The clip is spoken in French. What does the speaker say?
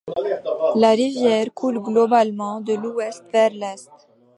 La rivière coule globalement de l'ouest vers l'est.